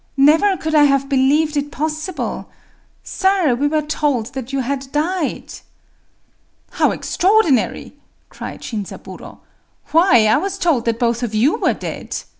"Never could I have believed it possible!… Sir, we were told that you had died." "How extraordinary!" cried Shinzaburō. "Why, I was told that both of you were dead!"